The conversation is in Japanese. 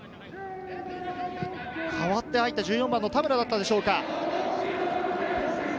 代わって入った１４番の田村だったでしょうか。